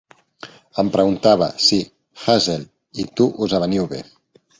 Em preguntava si Hazel i tu us aveniu bé.